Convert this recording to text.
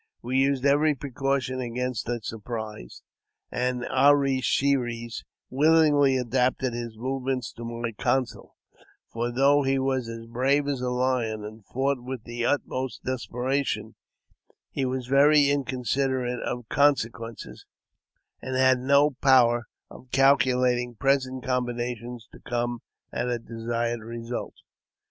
We used every pre caution against a surprise, and A re she res wiUingly adapted his movements to my counsel ; for, though he was as brave as a lion, and fought with the utmost desperation, he was very inconsiderate of consequences, and had no power of calculating present combinations to come at a desired result.